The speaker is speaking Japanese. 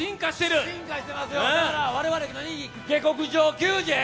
だから我々「下剋上球児」？